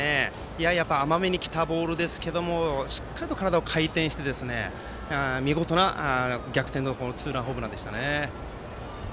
やや甘めに来たボールでしたがしっかりと体を回転して見事な逆転のツーランホームランでした。